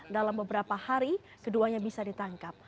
dalam beberapa hari keduanya bisa ditangkap